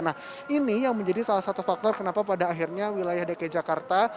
nah ini yang menjadi salah satu faktor kenapa pada akhirnya wilayah dki jakarta